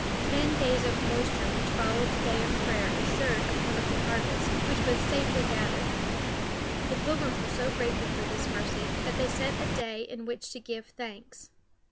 Ten days of moisture which followed the day of prayer assured a plentiful harvest, which was safely gathered. The Pilgrims were so grateful for this mercy that they set a day in which to give thanks.